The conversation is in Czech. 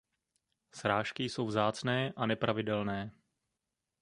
Srážky jsou vzácné a nepravidelné.